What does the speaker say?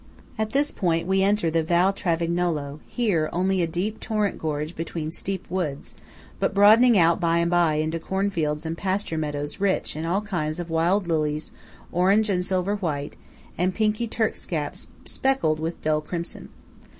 At this point, we enter the Val Travignolo; here only a deep torrent gorge between steep woods, but broadening out by and by into corn fields and pasture meadows rich in all kinds of wild lilies, orange, and silver white, and pinky turkscaps speckled with dull crimson.